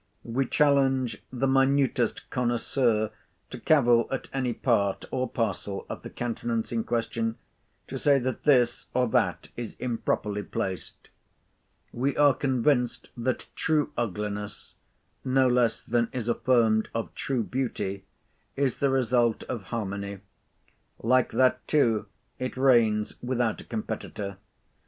We challenge the minutest connoisseur to cavil at any part or parcel of the countenance in question; to say that this, or that, is improperly placed. We are convinced that true ugliness, no less than is affirmed of true beauty, is the result of harmony. Like that too it reigns without a competitor.